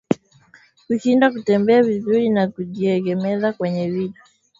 Kushindwa kutembea vizuri na kujiegemeza kwenye vitu